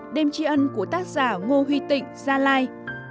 đêm tri ân của tác giả ngô huy tịnh gia lai